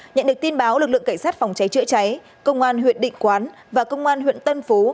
nhận được tin báo lực lượng cảnh sát phòng cháy chữa cháy công an huyện định quán và công an huyện tân phú